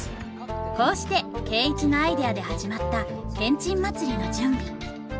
こうして圭一のアイデアで始まったけんちん祭りの準備。